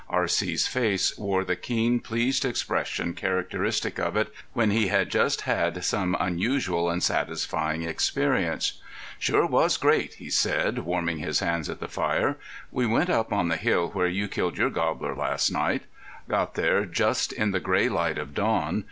R.C.'s face wore the keen, pleased expression characteristic of it when he had just had some unusual and satisfying experience. [Illustration: ZANE GREY ON DON CARLOS] [Illustration: WILD TURKEY] "Sure was great," he said, warming his hands at the fire. "We went up on the hill where you killed your gobbler last night. Got there just in the gray light of dawn.